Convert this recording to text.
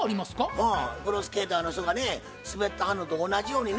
はいプロスケーターの人がね滑ってはんのと同じようにね